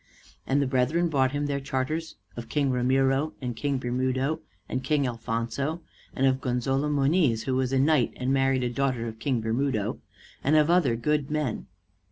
And the brethren brought him their charters of King Ramiro, and King Bermudo, and King Alfonso, and of Gonzalo Moniz, who was a knight and married a daughter of King Bermudo, and of other good men.